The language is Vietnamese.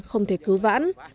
không thể cứu vãn